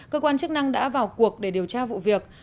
cơ quan chức năng đã vào cuộc để điều tra vụ việc